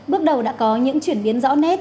bước đầu đã có những chuyển biến rõ nét